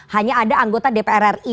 hanya ada anggota dpr ri